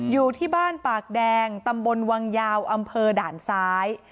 อยู่ที่บ้านปากแดงตำบลวังยาวอำเภอด่านซ้าย